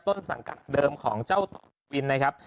ต้นสังกัดเดิมของเจ้าตองกวินธรรมนะครับ